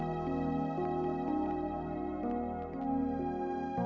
tidak ada apa apa